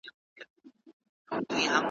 له جهانه پټي سترګي تر خپل ګوره پوري تللای `